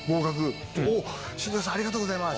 「新庄さんありがとうございます」。